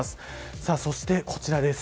そして、こちらです。